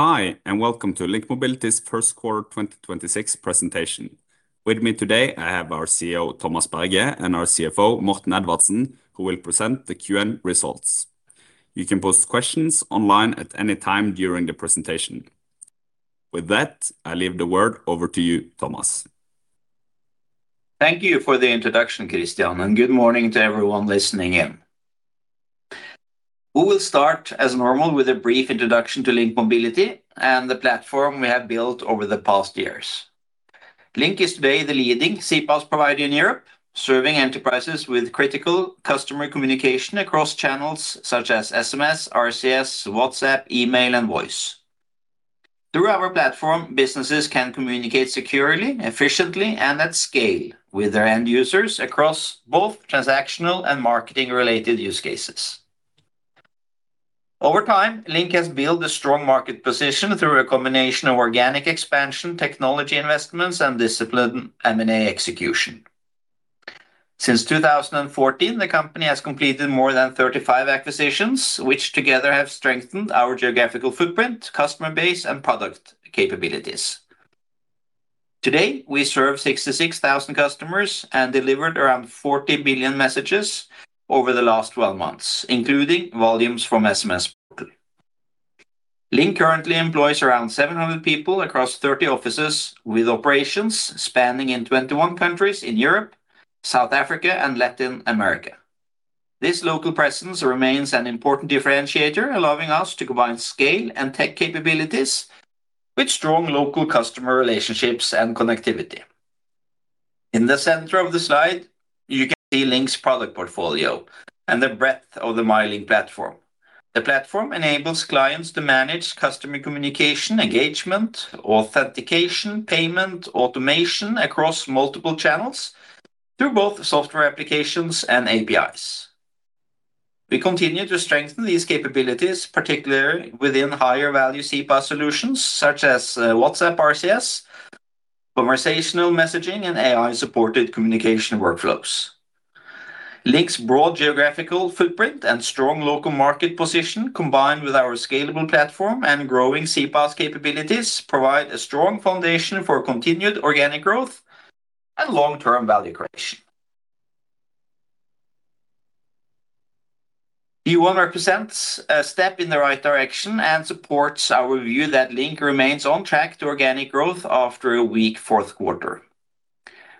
Hi, welcome to LINK Mobility's first quarter 2026 presentation. With me today, I have our CEO, Thomas Berge, and our CFO, Morten Edvardsen, who will present the Q1 results. You can post questions online at any time during the presentation. With that, I leave the word over to you, Thomas. Thank you for the introduction, Kristian, and good morning to everyone listening in. We will start as normal with a brief introduction to LINK Mobility and the platform we have built over the past years. LINK is today the leading CPaaS provider in Europe, serving enterprises with critical customer communication across channels such as SMS, RCS, WhatsApp, email, and voice. Through our platform, businesses can communicate securely, efficiently, and at scale with their end users across both transactional and marketing-related use cases. Over time, LINK has built a strong market position through a combination of organic expansion, technology investments, and disciplined M&A execution. Since 2014, the company has completed more than 35 acquisitions, which together have strengthened our geographical footprint, customer base, and product capabilities. Today, we serve 66,000 customers and delivered around 40 billion messages over the last 12 months, including volumes from SMS. LINK currently employs around 700 people across 30 offices with operations spanning in 21 countries in Europe, South Africa, and Latin America. This local presence remains an important differentiator, allowing us to combine scale and tech capabilities with strong local customer relationships and connectivity. In the center of the slide, you can see LINK's product portfolio and the breadth of the myLINK platform. The platform enables clients to manage customer communication, engagement, authentication, payment, automation across multiple channels through both software applications and APIs. We continue to strengthen these capabilities, particularly within higher-value CPaaS solutions such as WhatsApp, RCS, conversational messaging, and AI-supported communication workflows. LINK's broad geographical footprint and strong local market position, combined with our scalable platform and growing CPaaS capabilities, provide a strong foundation for continued organic growth and long-term value creation. Q1 represents a step in the right direction and supports our view that LINK remains on track to organic growth after a weak fourth quarter.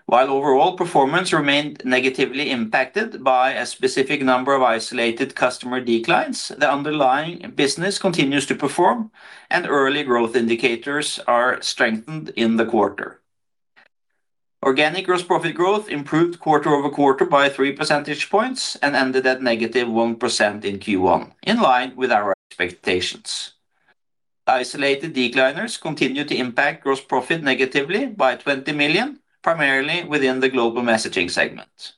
While overall performance remained negatively impacted by a specific number of isolated customer declines, the underlying business continues to perform, and early growth indicators are strengthened in the quarter. Organic gross profit growth improved quarter-over-quarter by 3 percentage points and ended at -1% in Q1, in line with our expectations. Isolated decliners continue to impact gross profit negatively by 20 million, primarily within the global messaging segment.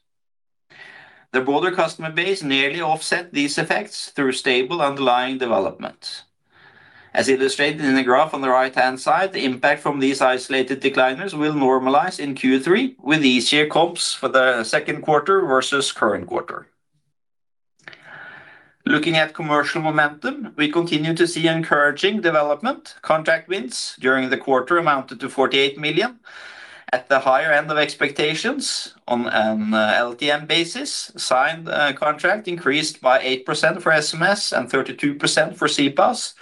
The broader customer base nearly offset these effects through stable underlying development. As illustrated in the graph on the right-hand side, the impact from these isolated decliners will normalize in Q3 with easier comps for the second quarter versus current quarter. Looking at commercial momentum, we continue to see encouraging development. Contract wins during the quarter amounted to 48 million at the higher end of expectations. On an LTM basis, signed contract increased by 8% for SMS and 32% for CPaaS,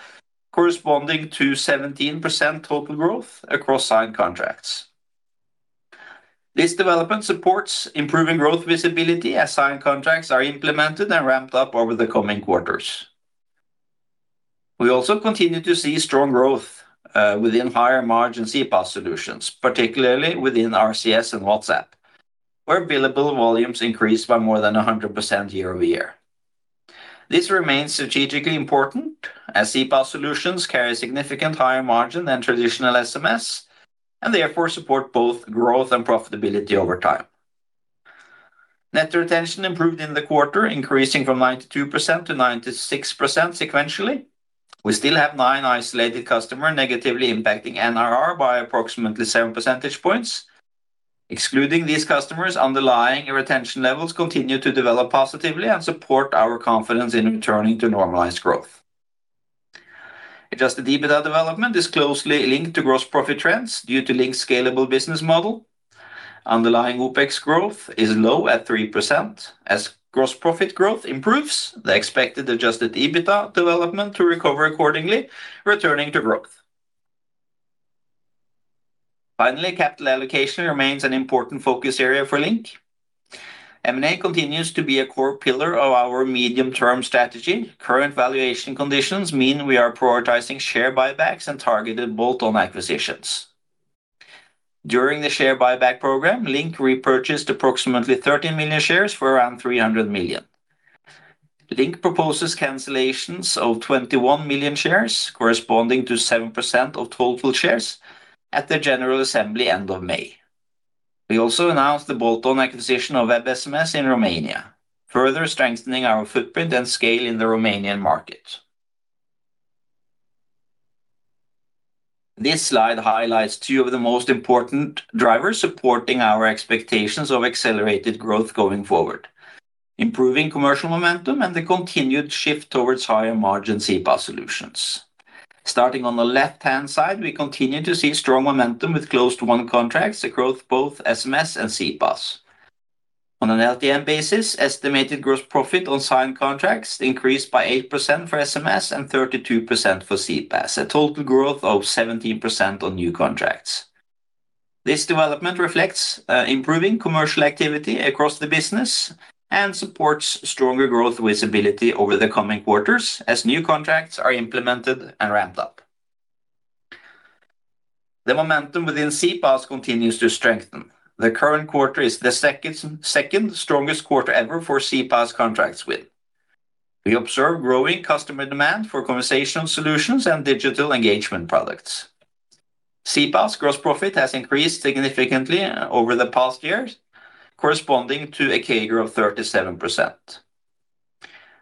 corresponding to 17% total growth across signed contracts. This development supports improving growth visibility as signed contracts are implemented and ramped up over the coming quarters. We also continue to see strong growth within higher-margin CPaaS solutions, particularly within RCS and WhatsApp, where billable volumes increased by more than 100% year-over-year. This remains strategically important as CPaaS solutions carry significant higher margin than traditional SMS and therefore support both growth and profitability over time. Net retention improved in the quarter, increasing from 92% to 96% sequentially. We still have nine isolated customer negatively impacting NRR by approximately 7 percentage points. Excluding these customers, underlying retention levels continue to develop positively and support our confidence in returning to normalized growth. Adjusted EBITDA development is closely linked to gross profit trends due to LINK's scalable business model. Underlying OpEx growth is low at 3%. As gross profit growth improves, the expected adjusted EBITDA development to recover accordingly, returning to growth. Finally, capital allocation remains an important focus area for LINK. M&A continues to be a core pillar of our medium-term strategy. Current valuation conditions mean we are prioritizing share buybacks and targeted bolt-on acquisitions. During the share buyback program, LINK repurchased approximately 13 million shares for around 300 million. LINK proposes cancellations of 21 million shares, corresponding to 7% of total shares, at the general assembly end of May. We also announced the bolt-on acquisition of Web2SMS in Romania, further strengthening our footprint and scale in the Romanian market. This slide highlights two of the most important drivers supporting our expectations of accelerated growth going forward. Improving commercial momentum and the continued shift towards higher-margin CPaaS solutions. Starting on the left-hand side, we continue to see strong momentum with close to won contracts across both SMS and CPaaS. On an LTM basis, estimated gross profit on signed contracts increased by 8% for SMS and 32% for CPaaS, a total growth of 17% on new contracts. This development reflects improving commercial activity across the business and supports stronger growth visibility over the coming quarters as new contracts are implemented and ramped up. The momentum within CPaaS continues to strengthen. The current quarter is the second strongest quarter ever for CPaaS contracts win. We observe growing customer demand for conversational solutions and digital engagement products. CPaaS gross profit has increased significantly over the past years, corresponding to a CAGR of 37%.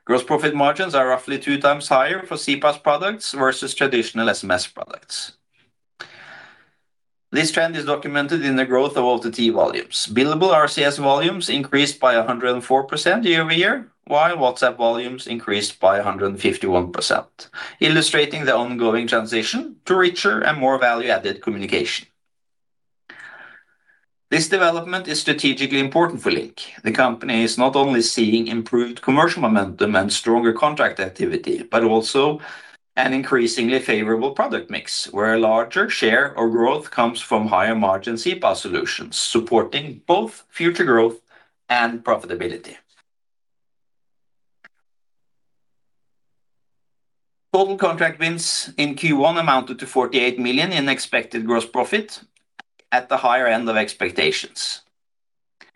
Gross profit margins are roughly two times higher for CPaaS products versus traditional SMS products. This trend is documented in the growth of OTT volumes. Billable RCS volumes increased by 104% year-over-year, while WhatsApp volumes increased by 151%, illustrating the ongoing transition to richer and more value-added communication. This development is strategically important for LINK. The company is not only seeing improved commercial momentum and stronger contract activity, but also an increasingly favorable product mix, where a larger share or growth comes from higher-margin CPaaS solutions, supporting both future growth and profitability. Total contract wins in Q1 amounted to 48 million in expected gross profit at the higher end of expectations.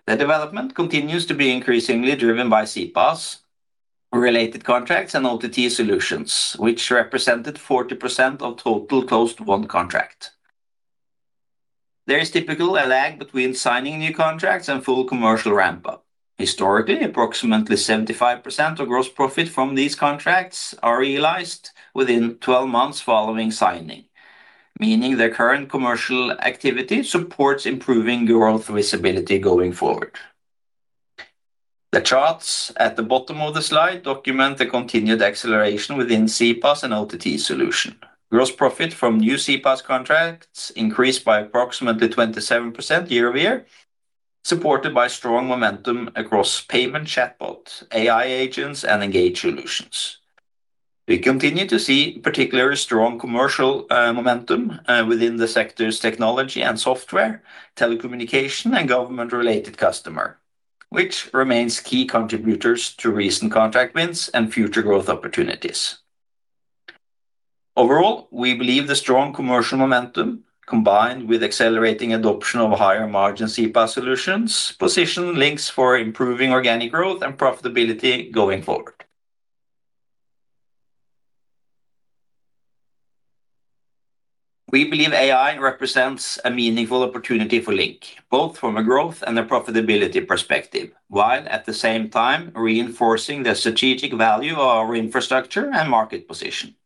The development continues to be increasingly driven by CPaaS-related contracts and OTT solutions, which represented 40% of total close to won contract. There is typically a lag between signing new contracts and full commercial ramp-up. Historically, approximately 75% of gross profit from these contracts are realized within 12 months following signing, meaning their current commercial activity supports improving growth visibility going forward. The charts at the bottom of the slide document the continued acceleration within CPaaS and OTT solution. Gross profit from new CPaaS contracts increased by approximately 27% year-over-year, supported by strong momentum across payment chatbot, AI agents and engage solutions. We continue to see particularly strong commercial momentum within the sectors technology and software, telecommunication and government-related customer, which remains key contributors to recent contract wins and future growth opportunities. Overall, we believe the strong commercial momentum, combined with accelerating adoption of higher-margin CPaaS solutions, position LINK's for improving organic growth and profitability going forward. We believe AI represents a meaningful opportunity for LINK, both from a growth and a profitability perspective, while at the same time reinforcing the strategic value of our infrastructure and market position.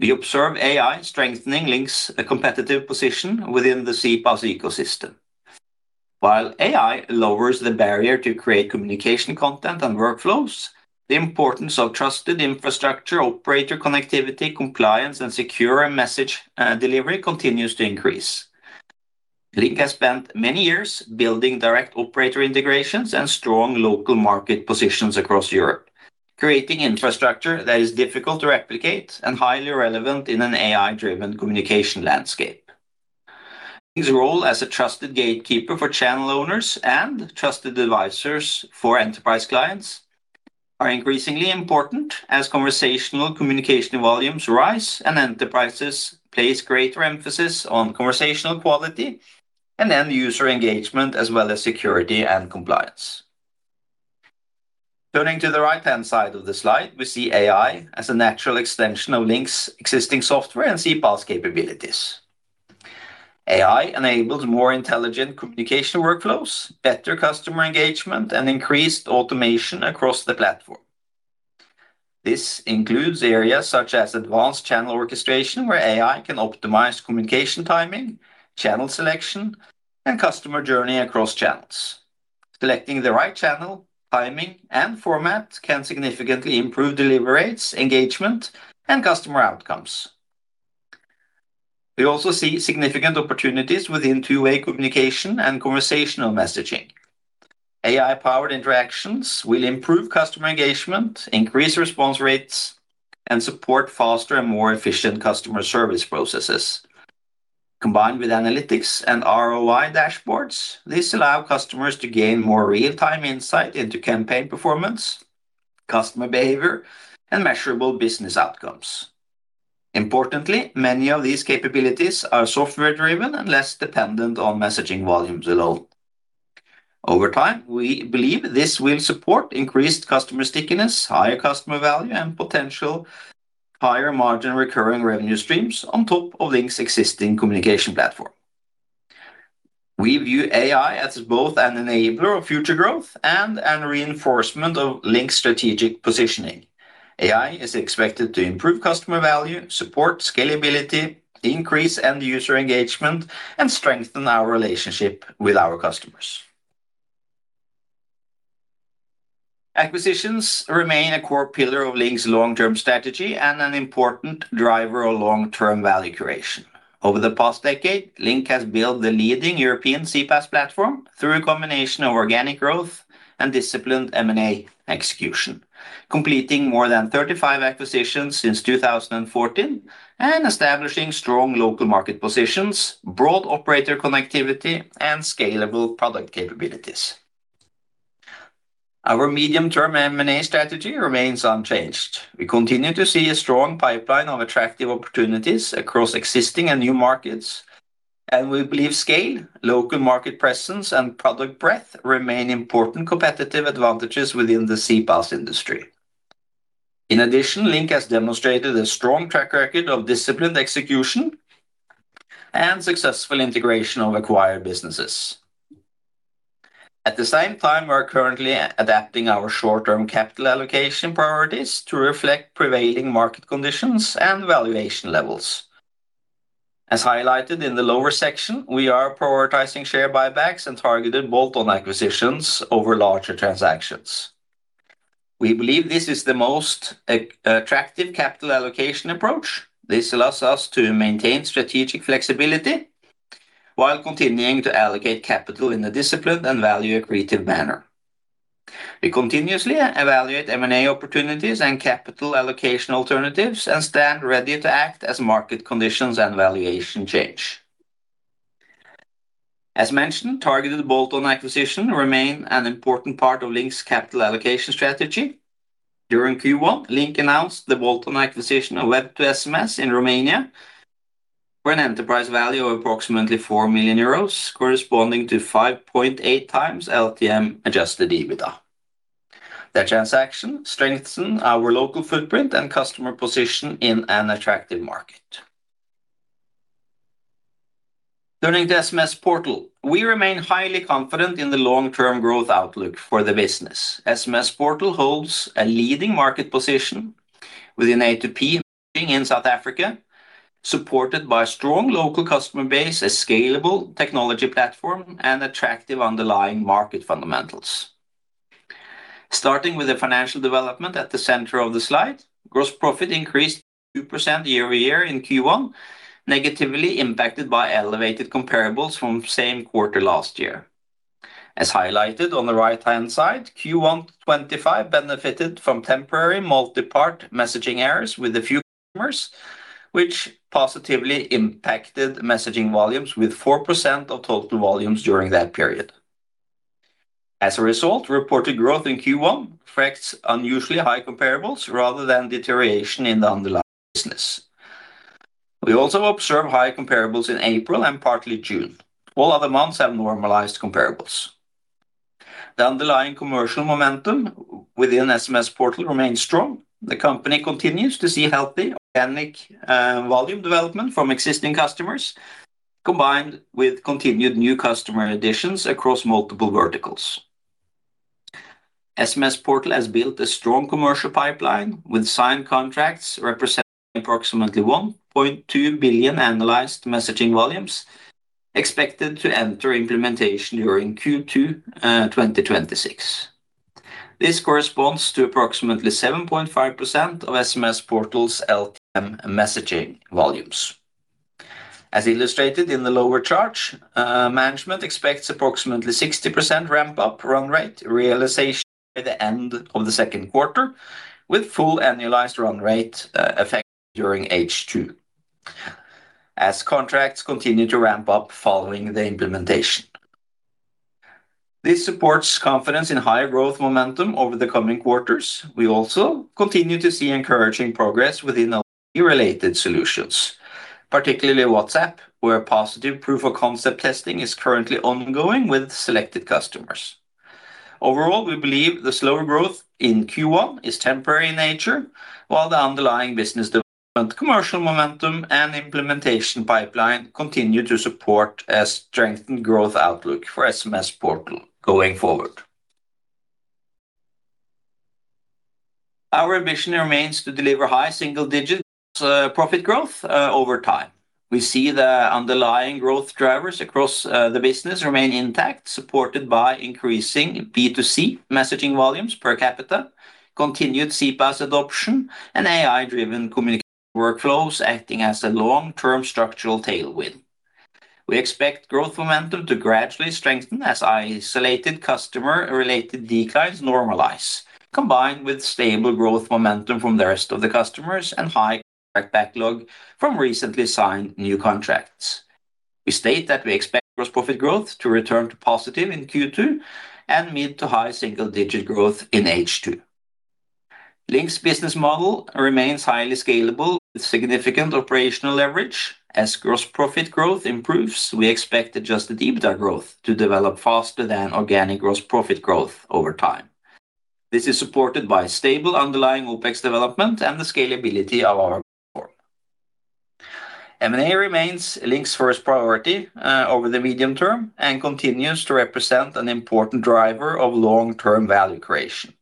We observe AI strengthening LINK's competitive position within the CPaaS ecosystem. While AI lowers the barrier to create communication content and workflows, the importance of trusted infrastructure, operator connectivity, compliance and secure message delivery continues to increase. LINK has spent many years building direct operator integrations and strong local market positions across Europe, creating infrastructure that is difficult to replicate and highly relevant in an AI-driven communication landscape. Its role as a trusted gatekeeper for channel owners and trusted advisors for enterprise clients are increasingly important as conversational communication volumes rise and enterprises place greater emphasis on conversational quality and end-user engagement, as well as security and compliance. Turning to the right-hand side of the slide, we see AI as a natural extension of LINK's existing software and CPaaS capabilities. AI enables more intelligent communication workflows, better customer engagement and increased automation across the platform. This includes areas such as advanced channel orchestration, where AI can optimize communication timing, channel selection and customer journey across channels. Selecting the right channel, timing and format can significantly improve delivery rates, engagement and customer outcomes. We also see significant opportunities within two-way communication and conversational messaging. AI-powered interactions will improve customer engagement, increase response rates and support faster and more efficient customer service processes. Combined with analytics and ROI dashboards, this allows customers to gain more real-time insight into campaign performance, customer behavior and measurable business outcomes. Importantly, many of these capabilities are software driven and less dependent on messaging volumes at all. Over time, we believe this will support increased customer stickiness, higher customer value and potential higher-margin recurring revenue streams on top of LINK's existing communication platform. We view AI as both an enabler of future growth and reinforcement of LINK's strategic positioning. AI is expected to improve customer value, support scalability, increase end user engagement, and strengthen our relationship with our customers. Acquisitions remain a core pillar of LINK's long-term strategy and an important driver of long-term value creation. Over the past decade, LINK has built the leading European CPaaS platform through a combination of organic growth and disciplined M&A execution, completing more than 35 acquisitions since 2014 and establishing strong local market positions, broad operator connectivity and scalable product capabilities. Our medium-term M&A strategy remains unchanged. We continue to see a strong pipeline of attractive opportunities across existing and new markets, and we believe scale, local market presence and product breadth remain important competitive advantages within the CPaaS industry. In addition, LINK has demonstrated a strong track record of disciplined execution and successful integration of acquired businesses. At the same time, we are currently adapting our short-term capital allocation priorities to reflect prevailing market conditions and valuation levels. As highlighted in the lower section, we are prioritizing share buybacks and targeted bolt-on acquisitions over larger transactions. We believe this is the most at-attractive capital allocation approach. This allows us to maintain strategic flexibility while continuing to allocate capital in a disciplined and value creative manner. We continuously evaluate M&A opportunities and capital allocation alternatives and stand ready to act as market conditions and valuation change. As mentioned, targeted bolt-on acquisition remain an important part of LINK's capital allocation strategy. During Q1, LINK announced the bolt-on acquisition of Web2SMS in Romania for an enterprise value of approximately 4 million euros, corresponding to 5.8x LTM adjusted EBITDA. That transaction strengthened our local footprint and customer position in an attractive market. Turning to SMSPortal, we remain highly confident in the long-term growth outlook for the business. SMSPortal holds a leading market position within A2P in South Africa, supported by a strong local customer base, a scalable technology platform, and attractive underlying market fundamentals. Starting with the financial development at the center of the slide, gross profit increased 2% year-over-year in Q1, negatively impacted by elevated comparables from same quarter last year. As highlighted on the right-hand side, Q1 2025 benefited from temporary multipart messaging errors with a few customers which positively impacted messaging volumes with 4% of total volumes during that period. As a result, reported growth in Q1 affects unusually high comparables rather than deterioration in the underlying business. We also observe high comparables in April and partly June. All other months have normalized comparables. The underlying commercial momentum within SMSPortal remains strong. The company continues to see healthy organic volume development from existing customers, combined with continued new customer additions across multiple verticals. SMSPortal has built a strong commercial pipeline, with signed contracts representing approximately 1.2 billion annualized messaging volumes expected to enter implementation during Q2 2026. This corresponds to approximately 7.5% of SMSPortal's LTM messaging volumes. As illustrated in the lower chart, management expects approximately 60% ramp-up run rate realization by the end of the second quarter, with full annualized run rate effective during H2 as contracts continue to ramp up following the implementation. This supports confidence in high growth momentum over the coming quarters. We also continue to see encouraging progress within our related solutions, particularly WhatsApp, where positive proof-of-concept testing is currently ongoing with selected customers. Overall, we believe the slower growth in Q1 is temporary in nature, while the underlying business development, commercial momentum, and implementation pipeline continue to support a strengthened growth outlook for SMSPortal going forward. Our ambition remains to deliver high single-digit profit growth over time. We see the underlying growth drivers across the business remain intact, supported by increasing B2C messaging volumes per capita, continued CPaaS adoption, and AI-driven communication workflows acting as a long-term structural tailwind. We expect growth momentum to gradually strengthen as isolated customer-related declines normalize, combined with stable growth momentum from the rest of the customers and high contract backlog from recently signed new contracts. We state that we expect gross profit growth to return to positive in Q2 and mid to high single-digit growth in H2. LINK's business model remains highly scalable with significant operational leverage. As gross profit growth improves, we expect adjusted EBITDA growth to develop faster than organic gross profit growth over time. This is supported by stable underlying OpEx development and the scalability of our platform. M&A remains LINK's first priority over the medium term and continues to represent an important driver of long-term value creation.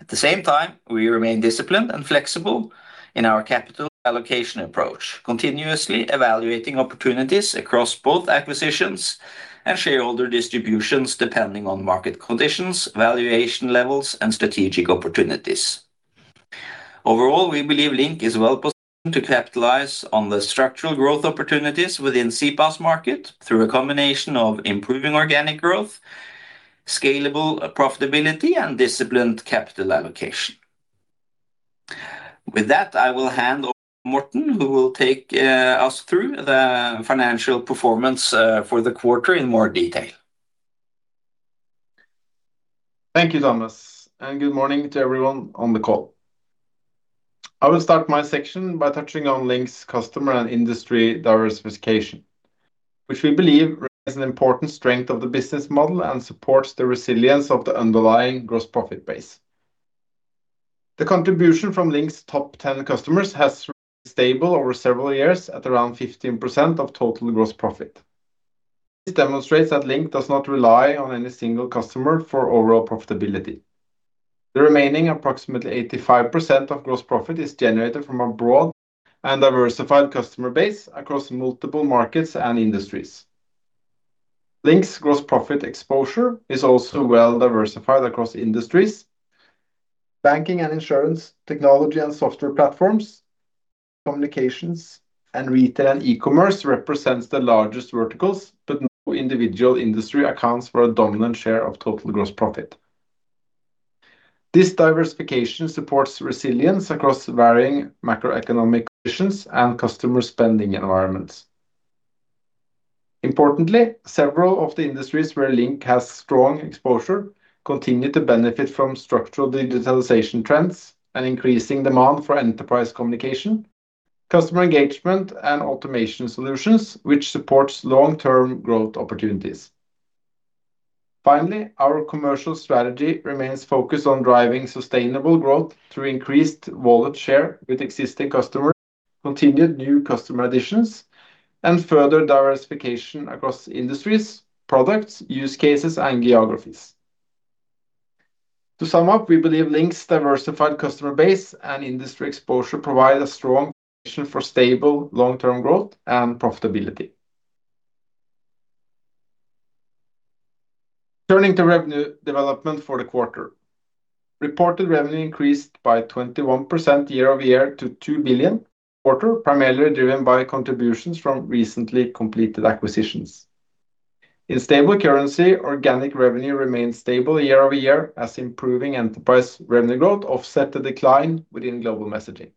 At the same time, we remain disciplined and flexible in our capital allocation approach, continuously evaluating opportunities across both acquisitions and shareholder distributions, depending on market conditions, valuation levels and strategic opportunities. Overall, we believe LINK is well-positioned to capitalize on the structural growth opportunities within CPaaS market through a combination of improving organic growth, scalable profitability and disciplined capital allocation. With that, I will hand over to Morten, who will take us through the financial performance for the quarter in more detail. Thank you, Thomas, and good morning to everyone on the call. I will start my section by touching on LINK's customer and industry diversification, which we believe is an important strength of the business model and supports the resilience of the underlying gross profit base. The contribution from LINK's top 10 customers has remained stable over several years at around 15% of total gross profit. This demonstrates that LINK does not rely on any single customer for overall profitability. The remaining approximately 85% of gross profit is generated from a broad and diversified customer base across multiple markets and industries. LINK's gross profit exposure is also well-diversified across industries. Banking and insurance, technology and software platforms, communications, and retail and e-commerce represents the largest verticals, but no individual industry accounts for a dominant share of total gross profit. This diversification supports resilience across varying macroeconomic conditions and customer spending environments. Importantly, several of the industries where LINK has strong exposure continue to benefit from structural digitalization trends and increasing demand for enterprise communication, customer engagement and automation solutions, which supports long-term growth opportunities. Finally, our commercial strategy remains focused on driving sustainable growth through increased wallet share with existing customers, continued new customer additions and further diversification across industries, products, use cases and geographies. To sum up, we believe LINK's diversified customer base and industry exposure provide a strong foundation for stable long-term growth and profitability. Turning to revenue development for the quarter. Reported revenue increased by 21% year-over-year to 2 billion quarter, primarily driven by contributions from recently completed acquisitions. In stable currency, organic revenue remained stable year-over-year as improving enterprise revenue growth offset the decline within global messaging.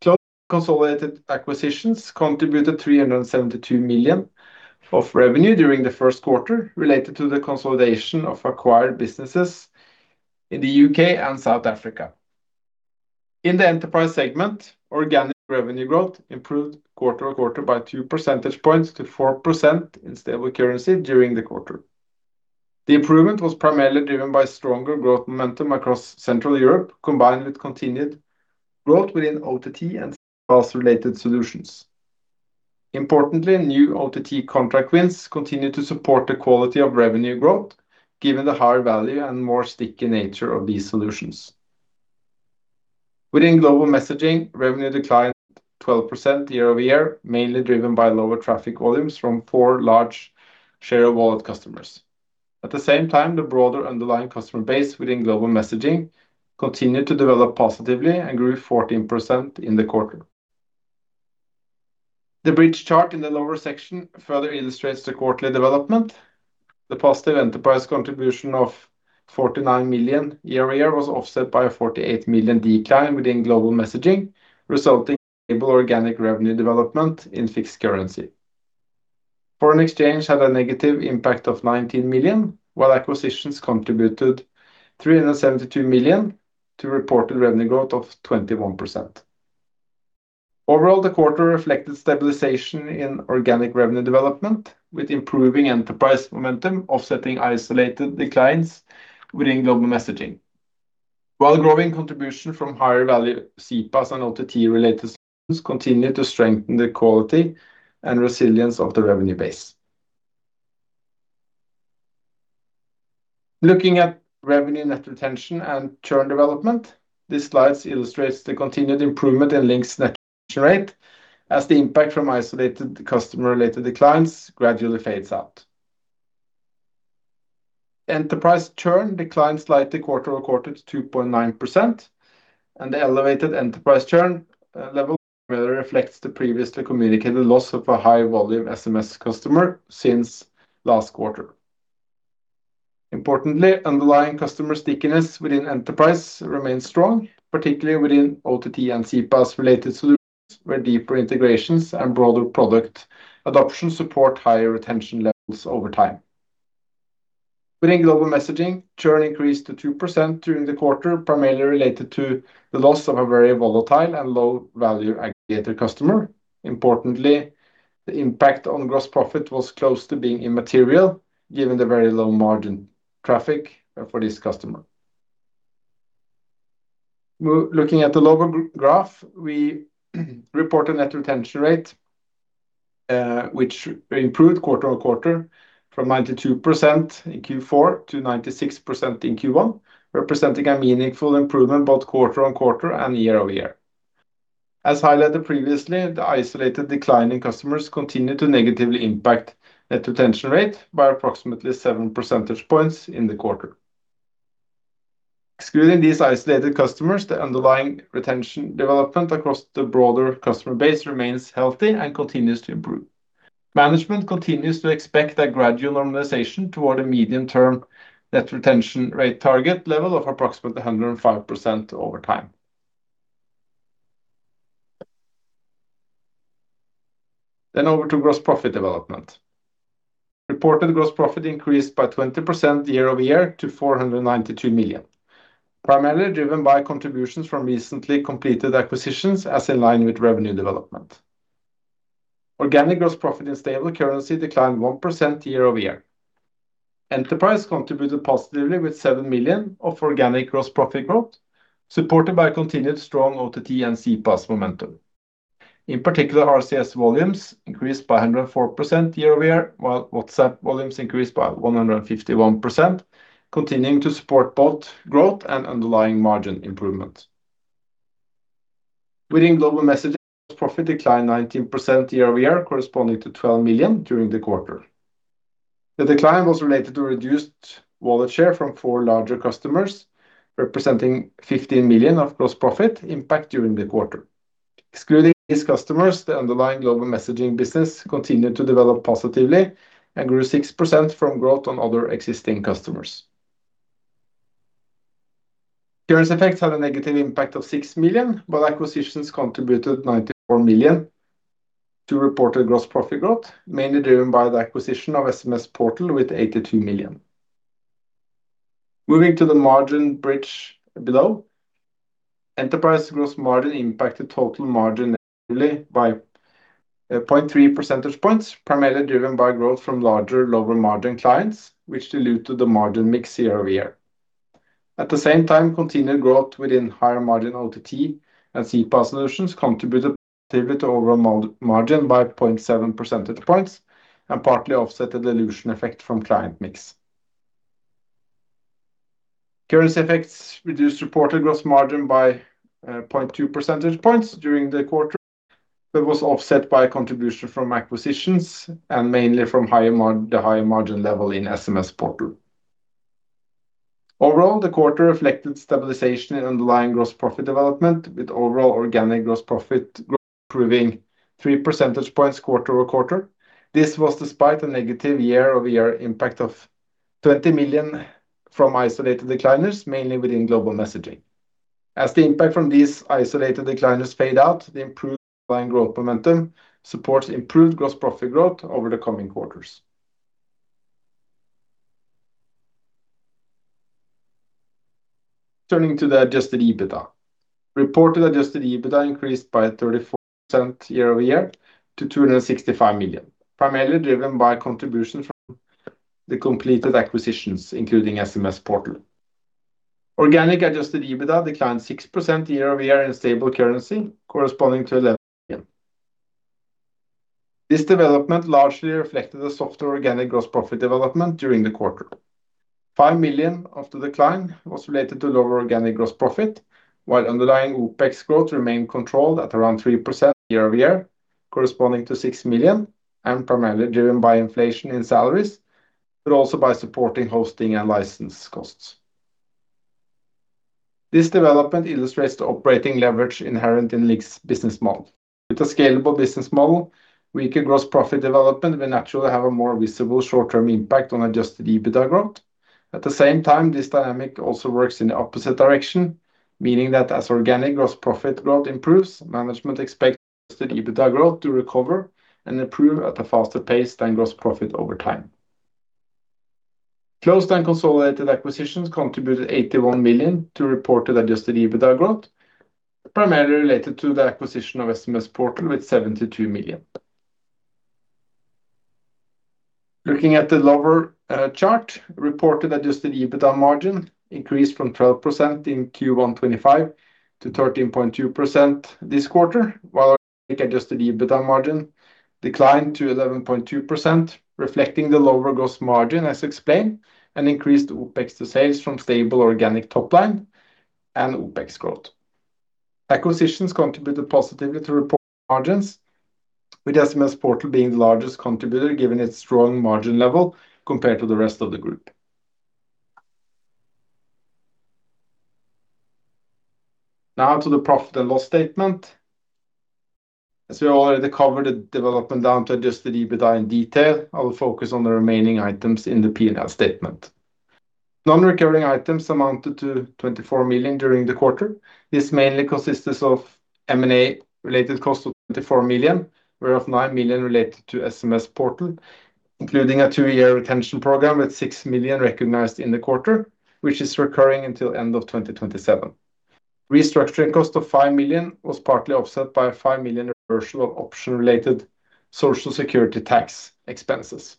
Closed consolidated acquisitions contributed 372 million of revenue during the first quarter, related to the consolidation of acquired businesses in the U.K. and South Africa. In the enterprise segment, organic revenue growth improved quarter-over-quarter by 2 percentage points to 4% in stable currency during the quarter. The improvement was primarily driven by stronger growth momentum across Central Europe, combined with continued growth within OTT and CPaaS-related solutions. Importantly, new OTT contract wins continue to support the quality of revenue growth, given the higher value and more sticky nature of these solutions. Within global messaging, revenue declined 12% year-over-year, mainly driven by lower traffic volumes from four large share of wallet customers. At the same time, the broader underlying customer base within global messaging continued to develop positively and grew 14% in the quarter. The bridge chart in the lower section further illustrates the quarterly development. The positive enterprise contribution of 49 million year-over-year was offset by a 48 million decline within global messaging, resulting in stable organic revenue development in fixed currency. Foreign exchange had a negative impact of 19 million, while acquisitions contributed 372 million to reported revenue growth of 21%. Overall, the quarter reflected stabilization in organic revenue development, with improving enterprise momentum offsetting isolated declines within global messaging. Growing contribution from higher value CPaaS and OTT-related solutions continued to strengthen the quality and resilience of the revenue base. Looking at revenue net retention and churn development, this slide illustrates the continued improvement in LINK's net retention rate as the impact from isolated customer-related declines gradually fades out. Enterprise churn declined slightly quarter-over-quarter to 2.9%, the elevated enterprise churn level further reflects the previously communicated loss of a high-volume SMS customer since last quarter. Importantly, underlying customer stickiness within enterprise remains strong, particularly within OTT and CPaaS-related solutions, where deeper integrations and broader product adoption support higher retention levels over time. Within global messaging, churn increased to 2% during the quarter, primarily related to the loss of a very volatile and low-value aggregator customer. Importantly, the impact on gross profit was close to being immaterial given the very low margin traffic for this customer. We're looking at the lower graph. We report a net retention rate, which improved quarter-on-quarter from 92% in Q4 to 96% in Q1, representing a meaningful improvement both quarter-on-quarter and year-over-year. As highlighted previously, the isolated decline in customers continued to negatively impact net retention rate by approximately 7 percentage points in the quarter. Excluding these isolated customers, the underlying retention development across the broader customer base remains healthy and continues to improve. Management continues to expect a gradual normalization toward a medium-term net retention rate target level of approximately 105% over time. Over to gross profit development. Reported gross profit increased by 20% year-over-year to 492 million, primarily driven by contributions from recently completed acquisitions as in line with revenue development. Organic gross profit in stable currency declined 1% year-over-year. Enterprise contributed positively with 7 million of organic gross profit growth, supported by continued strong OTT and CPaaS momentum. In particular, RCS volumes increased by 104% year-over-year, while WhatsApp volumes increased by 151%, continuing to support both growth and underlying margin improvement. Within Global Messaging, profit declined 19% year-over-year, corresponding to 12 million during the quarter. The decline was related to reduced wallet share from four larger customers, representing 15 million of gross profit impact during the quarter. Excluding these customers, the underlying Global Messaging business continued to develop positively and grew 6% from growth on other existing customers. Currency effects had a negative impact of 6 million, while acquisitions contributed 94 million to reported gross profit growth, mainly driven by the acquisition of SMSPortal with 82 million. Moving to the margin bridge below, enterprise gross margin impacted total margin negatively by 0.3 percentage points, primarily driven by growth from larger lower-margin clients, which diluted the margin mix year-over-year. At the same time, continued growth within higher margin OTT and CPaaS solutions contributed positively to overall margin by 0.7 percentage points and partly offset the dilution effect from client mix. Currency effects reduced reported gross margin by 0.2 percentage points during the quarter, but was offset by contribution from acquisitions and mainly from the higher margin level in SMSPortal. Overall, the quarter reflected stabilization in underlying gross profit development, with overall organic gross profit improving 3 percentage points quarter-over-quarter. This was despite a negative year-over-year impact of 20 million from isolated decliners, mainly within Global Messaging. As the impact from these isolated decliners fade out, the improved underlying growth momentum supports improved gross profit growth over the coming quarters. Turning to the adjusted EBITDA. Reported adjusted EBITDA increased by 34% year-over-year to 265 million, primarily driven by contribution from the completed acquisitions, including SMSPortal. Organic adjusted EBITDA declined 6% year-over-year in stable currency, corresponding to 11 million. This development largely reflected the softer organic gross profit development during the quarter. 5 million of the decline was related to lower organic gross profit, while underlying OpEx growth remained controlled at around 3% year-over-year, corresponding to 6 million, and primarily driven by inflation in salaries, but also by supporting hosting and license costs. This development illustrates the operating leverage inherent in LINK's business model. With a scalable business model, weaker gross profit development will naturally have a more visible short-term impact on adjusted EBITDA growth. At the same time, this dynamic also works in the opposite direction, meaning that as organic gross profit growth improves, management expects adjusted EBITDA growth to recover and improve at a faster pace than gross profit over time. Closed and consolidated acquisitions contributed 81 million to reported adjusted EBITDA growth, primarily related to the acquisition of SMSPortal with 72 million. Looking at the lower chart, reported adjusted EBITDA margin increased from 12% in Q1 2025 to 13.2% this quarter, while organic adjusted EBITDA margin declined to 11.2%, reflecting the lower gross margin as explained and increased OpEx to sales from stable organic top line and OpEx growth. Acquisitions contributed positively to reported margins, with SMSPortal being the largest contributor given its strong margin level compared to the rest of the group. Now to the profit and loss statement. As we already covered the development down to adjusted EBITDA in detail, I will focus on the remaining items in the P&L statement. Non-recurring items amounted to 24 million during the quarter. This mainly consisted of M&A-related cost of 24 million, whereof 9 million related to SMSPortal, including a two-year retention program with 6 million recognized in the quarter, which is recurring until end of 2027. Restructuring cost of 5 million was partly offset by a 5 million reversal of option-related social security tax expenses.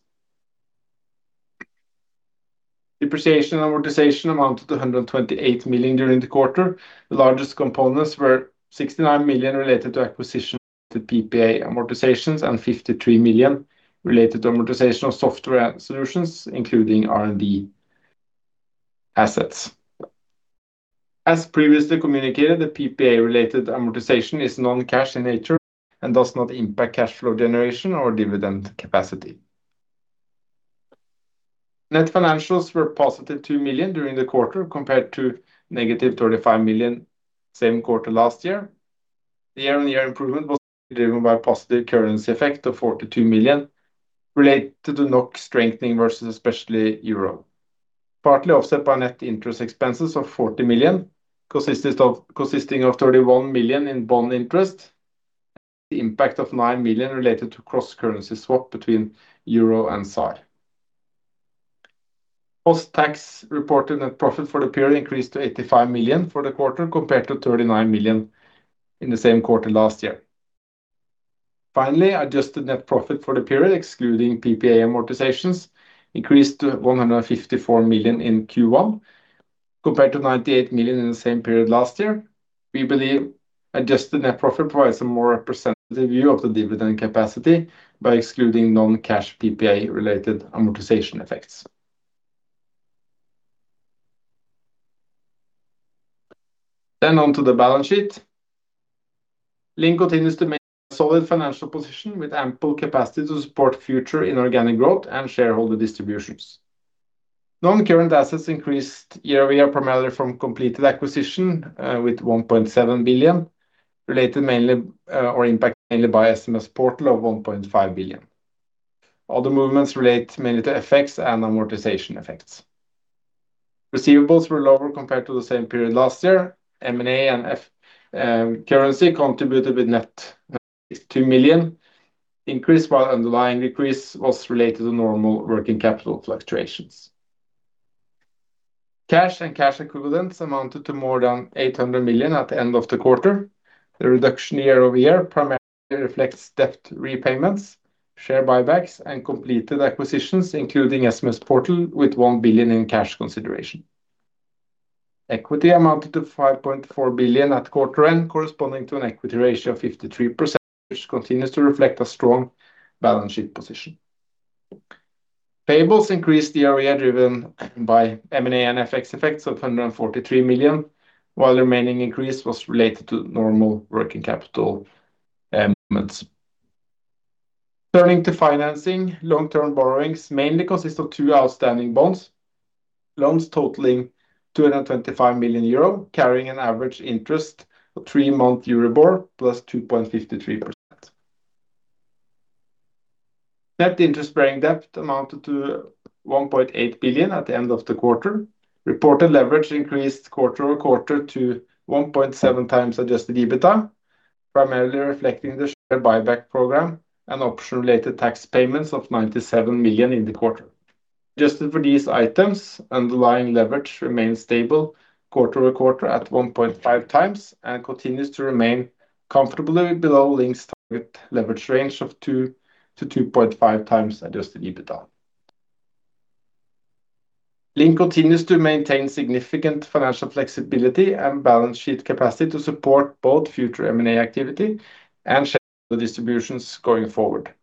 Depreciation and amortization amounted to 128 million during the quarter. The largest components were 69 million related to acquisition-related PPA amortizations and 53 million related to amortization of software solutions, including R&D assets. As previously communicated, the PPA-related amortization is non-cash in nature and does not impact cash flow generation or dividend capacity. Net financials were positive 2 million during the quarter compared to negative 35 million same quarter last year. The year-on-year improvement was mainly driven by positive currency effect of 42 million related to the NOK strengthening versus especially Euro. Partly offset by net interest expenses of 40 million consisting of 31 million in bond interest, impact of 9 million related to cross currency swap between Euro and ZAR. Post-tax reported net profit for the period increased to 85 million for the quarter compared to 39 million in the same quarter last year. Finally, adjusted net profit for the period excluding PPA amortizations increased to 154 million in Q1 compared to 98 million in the same period last year. We believe adjusted net profit provides a more representative view of the dividend capacity by excluding non-cash PPA-related amortization effects. On to the balance sheet. LINK continues to maintain a solid financial position with ample capacity to support future inorganic growth and shareholder distributions. Non-current assets increased year-over-year primarily from completed acquisition, with 1.7 billion related mainly, or impacted mainly by SMSPortal of 1.5 billion. Other movements relate mainly to FX and amortization effects. Receivables were lower compared to the same period last year. M&A and FX currency contributed with net 2 million increase while underlying decrease was related to normal working capital fluctuations. Cash and cash equivalents amounted to more than 800 million at the end of the quarter. The reduction year-over-year primarily reflects debt repayments, share buybacks, and completed acquisitions, including SMSPortal with 1 billion in cash consideration. Equity amounted to 5.4 billion at quarter end corresponding to an equity ratio of 53%, which continues to reflect a strong balance sheet position. Payables increased year-over-year driven by M&A and FX effects of 143 million, while the remaining increase was related to normal working capital movements. Turning to financing, long-term borrowings mainly consist of two outstanding bonds. Loans totaling 225 million euro carrying an average interest of three-month Euribor plus 2.53%. Net interest-bearing debt amounted to 1.8 billion at the end of the quarter. Reported leverage increased quarter-over-quarter to 1.7x adjusted EBITDA, primarily reflecting the share buyback program and option-related tax payments of 97 million in the quarter. Adjusted for these items, underlying leverage remained stable quarter-over-quarter at 1.5x and continues to remain comfortably below LINK's target leverage range of 2x-2.5x adjusted EBITDA. LINK continues to maintain significant financial flexibility and balance sheet capacity to support both future M&A activity and shareholder distributions going forward.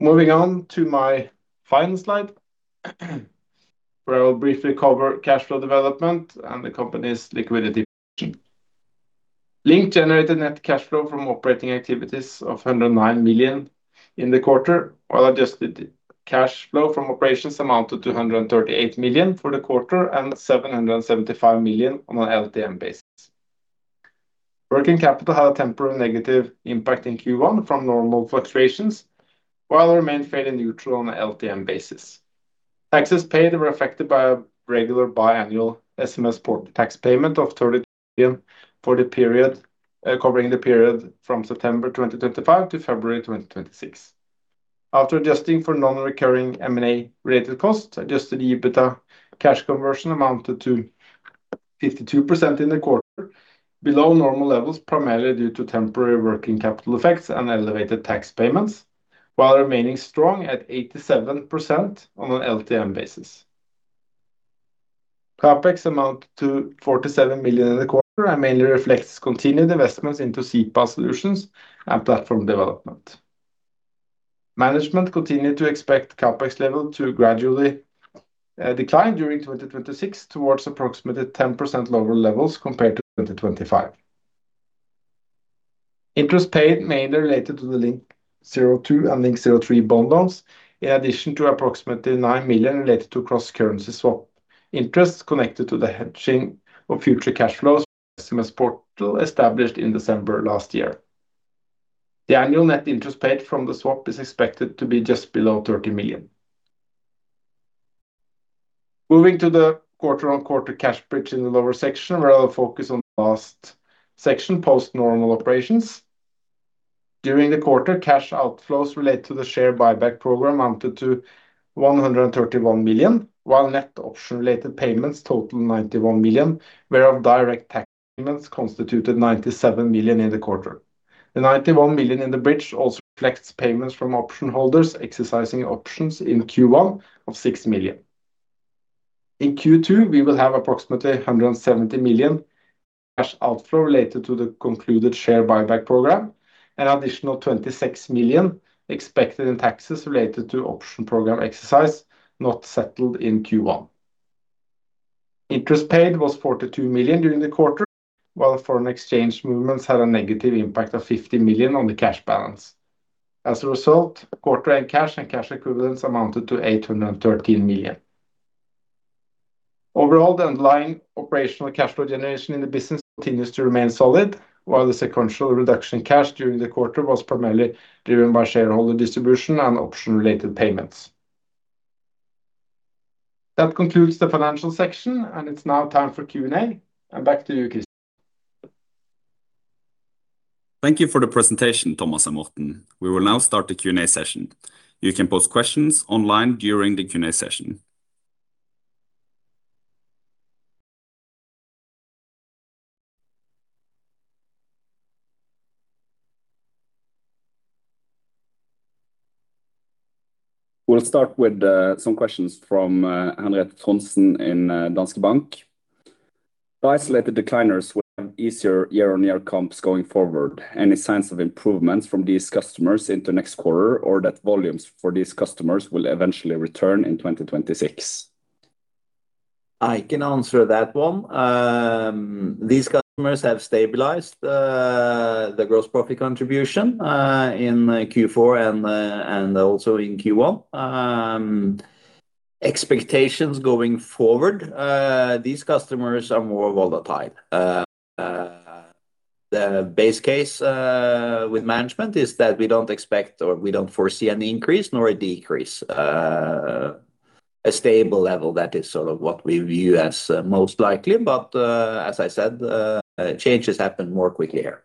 Moving on to my final slide, where I will briefly cover cash flow development and the company's liquidity position. LINK generated net cash flow from operating activities of 109 million in the quarter, while adjusted cash flow from operations amounted to 138 million for the quarter and 775 million on an LTM basis. Working capital had a temporary negative impact in Q1 from normal fluctuations while remaining fairly neutral on an LTM basis. Taxes paid were affected by a regular biannual SMSPortal tax payment of 30 million for the period, covering the period from September 2025 to February 2026. After adjusting for non-recurring M&A related costs, adjusted EBITDA cash conversion amounted to 52% in the quarter below normal levels, primarily due to temporary working capital effects and elevated tax payments, while remaining strong at 87% on an LTM basis. CapEx amounted to 47 million in the quarter and mainly reflects continued investments into CPaaS solutions and platform development. Management continued to expect CapEx level to gradually decline during 2026 towards approximately 10% lower levels compared to 2025. Interest paid mainly related to the LINK02 and LINK03 bond loans, in addition to approximately 9 million related to cross currency swap. Interest connected to the hedging of future cash flows for SMSPortal established in December last year. The annual net interest paid from the swap is expected to be just below 30 million. Moving to the quarter-over-quarter cash bridge in the lower section where I'll focus on the last section post normal operations. During the quarter, cash outflows related to the share buyback program amounted to 131 million, while net option related payments totaled 91 million, whereof direct tax payments constituted 97 million in the quarter. The 91 million in the bridge also reflects payments from option holders exercising options in Q1 of 6 million. In Q2, we will have approximately 170 million cash outflow related to the concluded share buyback program. An additional 26 million expected in taxes related to option program exercise not settled in Q1. Interest paid was 42 million during the quarter, while foreign exchange movements had a negative impact of 50 million on the cash balance. As a result, quarter end cash and cash equivalents amounted to 813 million. Overall, the underlying operational cash flow generation in the business continues to remain solid, while the sequential reduction in cash during the quarter was primarily driven by shareholder distribution and option-related payments. That concludes the financial section, and it's now time for Q&A. Back to you, Kristian. Thank you for the presentation, Thomas and Morten. We will now start the Q&A session. You can post questions online during the Q&A session. We'll start with some questions from Henriette Trondsen in Danske Bank. The isolated decliners will have easier year-on-year comps going forward. Any signs of improvements from these customers into next quarter or that volumes for these customers will eventually return in 2026? I can answer that one. These customers have stabilized, the gross profit contribution, in Q4 and also in Q1. Expectations going forward, these customers are more volatile. The base case, with management is that we don't expect or we don't foresee an increase nor a decrease. A stable level, that is sort of what we view as most likely. As I said, changes happen more quickly here.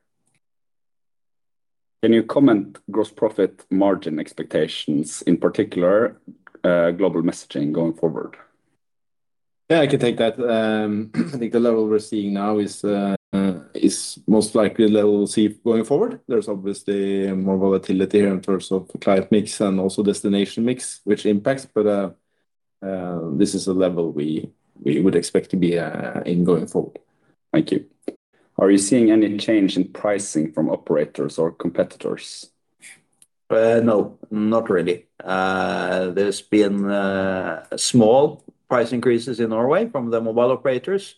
Can you comment gross profit margin expectations, in particular, global messaging going forward? Yeah, I can take that. I think the level we're seeing now is most likely level we'll see going forward. There's obviously more volatility here in terms of the client mix and also destination mix, which impacts, but this is a level we would expect to be in going forward. Thank you. Are you seeing any change in pricing from operators or competitors? No, not really. There's been small price increases in Norway from the mobile operators.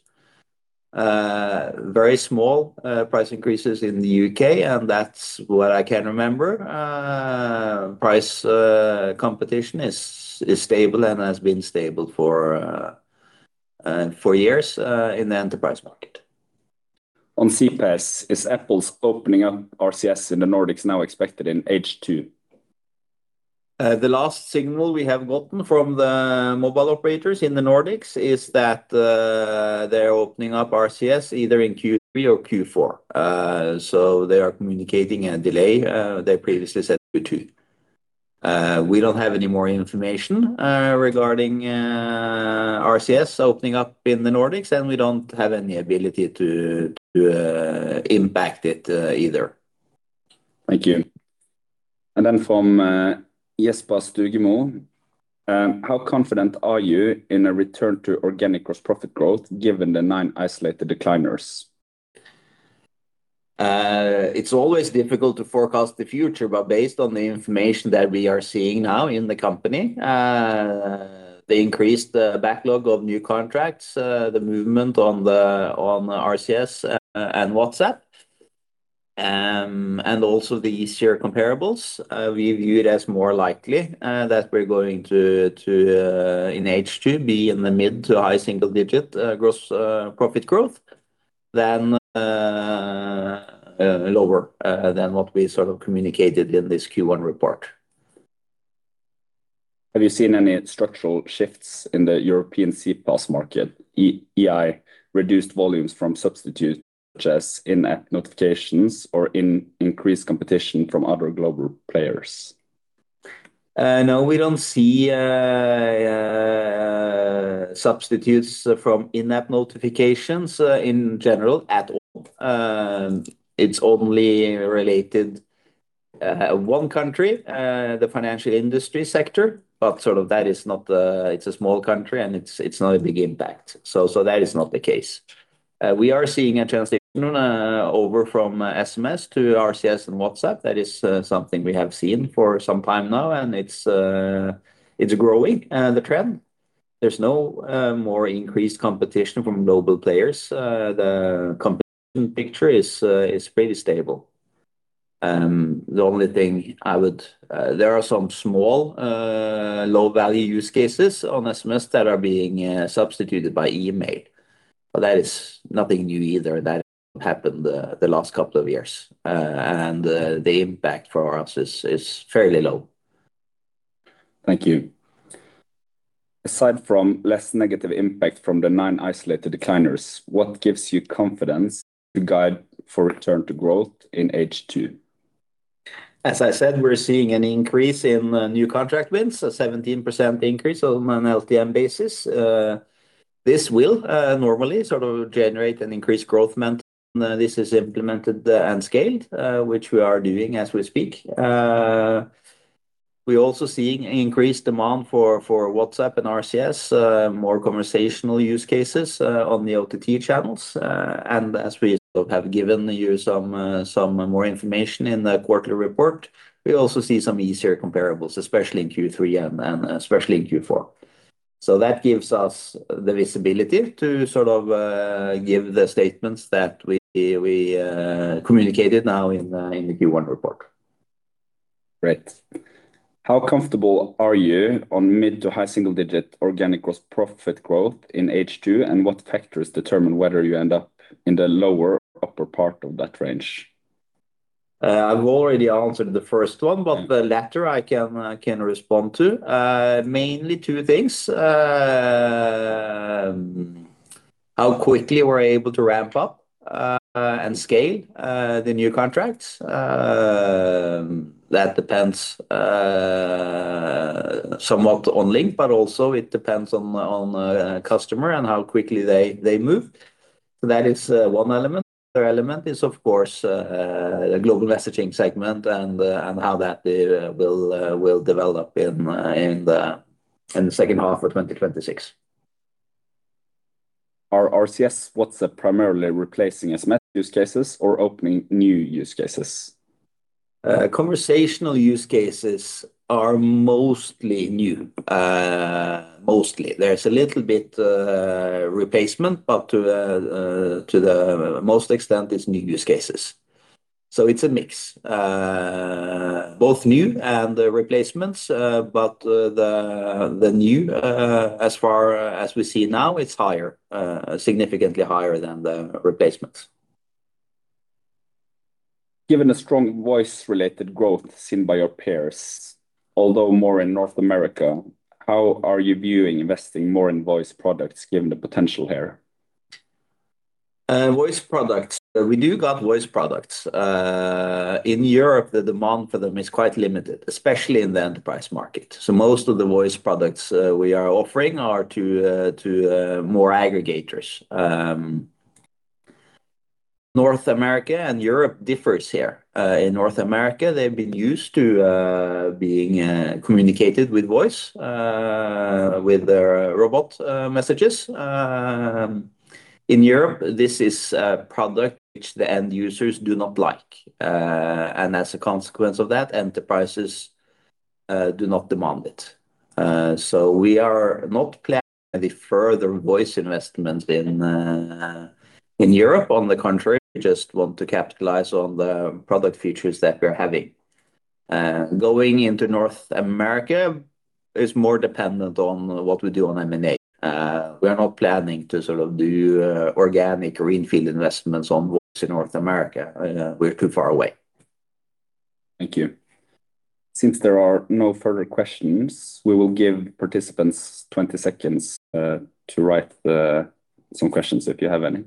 Very small price increases in the U.K., and that's what I can remember. Price competition is stable and has been stable for years in the enterprise market. On CPaaS, is Apple's opening up RCS in the Nordics now expected in H2? The last signal we have gotten from the mobile operators in the Nordics is that they're opening up RCS either in Q3 or Q4. They are communicating a delay, they previously said Q2. We don't have any more information regarding RCS opening up in the Nordics, and we don't have any ability to impact it either. Thank you. From Jesper Stugemo. How confident are you in a return to organic gross profit growth given the nine isolated decliners? It's always difficult to forecast the future, but based on the information that we are seeing now in the company, the increased backlog of new contracts, the movement on the RCS and WhatsApp, and also the easier comparables, we view it as more likely that we're going to in H2, be in the mid to high single digit gross profit growth than lower than what we sort of communicated in this Q1 report. Have you seen any structural shifts in the European CPaaS market, reduced volumes from substitutes such as in-app notifications or increased competition from other global players? No, we don't see substitutes from in-app notifications in general at all. It's only related to one country, the financial industry sector, but it's a small country, and it's not a big impact. That is not the case. We are seeing a transition over from SMS to RCS and WhatsApp. That is something we have seen for some time now, and it's growing the trend. There's no more increased competition from global players. The competition picture is pretty stable. There are some small, low-value use cases on SMS that are being substituted by email. That is nothing new either. That happened the last couple of years. The impact for us is fairly low. Thank you. Aside from less negative impact from the nine isolated decliners, what gives you confidence to guide for return to growth in H2? As I said, we're seeing an increase in new contract wins, a 17% increase on an LTM basis. This will normally sort of generate an increased growth momentum. This is implemented and scaled, which we are doing as we speak. We're also seeing increased demand for WhatsApp and RCS, more conversational use cases on the OTT channels. As we sort of have given you some more information in the quarterly report, we also see some easier comparables, especially in Q3 and especially in Q4. That gives us the visibility to sort of give the statements that we communicated now in the Q1 report. Great. How comfortable are you on mid to high single-digit organic gross profit growth in H2, and what factors determine whether you end up in the lower or upper part of that range? I've already answered the first one. Yeah. The latter I can respond to. Mainly two things. How quickly we're able to ramp up and scale the new contracts. That depends somewhat on LINK, but also it depends on the customer and how quickly they move. That is 1 element. The other element is, of course, global messaging segment and how that will develop in the second half of 2026. Are RCS, WhatsApp primarily replacing SMS use cases or opening new use cases? Conversational use cases are mostly new. Mostly. There's a little bit, replacement, but to the most extent, it's new use cases. It's a mix. Both new and replacements, but the new, as far as we see now, it's higher, significantly higher than the replacements. Given the strong voice-related growth seen by your peers, although more in North America, how are you viewing investing more in voice products given the potential here? Voice products. We do got voice products. In Europe, the demand for them is quite limited, especially in the enterprise market. Most of the voice products, we are offering are to more aggregators. North America and Europe differs here. In North America, they've been used to being communicated with voice with their robot messages. In Europe, this is a product which the end users do not like. As a consequence of that, enterprises do not demand it. We are not planning any further voice investments in Europe. On the contrary, we just want to capitalize on the product features that we're having. Going into North America is more dependent on what we do on M&A. We are not planning to sort of do organic greenfield investments on voice in North America. We're too far away. Thank you. Since there are no further questions, we will give participants 20 seconds to write some questions, if you have any.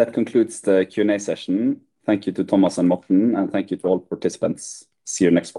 That concludes the Q&A session. Thank you to Thomas and Morten, thank you to all participants. See you next time.